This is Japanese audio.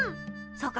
そうか？